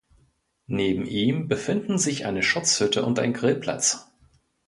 Neben ihm befinden sich eine Schutzhütte und ein Grillplatz.